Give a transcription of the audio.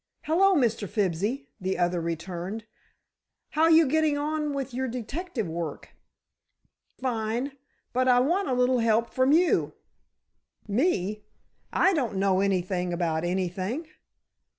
"Hello, Mr. Fibsy," the other returned, "how you getting on with your detective work?" "Fine; but I want a little help from you." "Me? I don't know anything about anything."